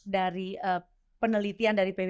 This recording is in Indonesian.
dari penelitian dari pbb